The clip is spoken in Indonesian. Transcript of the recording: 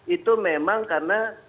itu memang karena